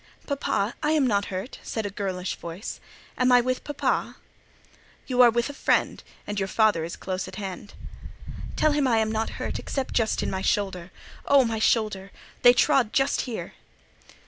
"Papa, I am not hurt," said a girlish voice; "am I with papa?" "You are with a friend, and your father is close at hand." "Tell him I am not hurt, except just in my shoulder. Oh, my shoulder! They trod just here."